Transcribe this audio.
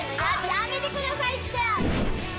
やめてくださいって！